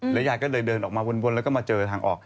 ยายก็เลยเดินออกมาวนแล้วก็มาเจอทางออก